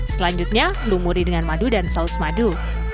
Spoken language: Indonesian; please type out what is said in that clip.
selanjutnya lumuri dengan madu dan saus madu